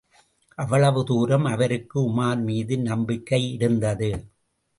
அவ்வளவு தூரம் அவருக்கு உமார் மீது நம்பிக்கை யிருந்தது.